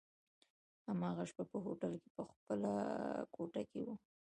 هماغه شپه په هوټل کي په خپله کوټه کي وو.